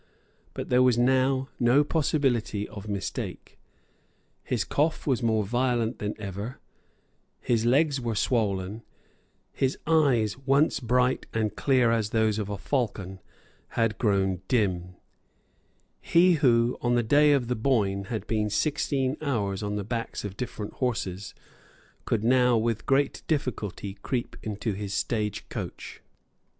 But there was now no possibility of mistake. His cough was more violent than ever; his legs were swollen; his eyes, once bright and clear as those of a falcon, had grown dim; he who, on the day of the Boyne, had been sixteen hours on the backs of different horses, could now with great difficulty creep into his state coach.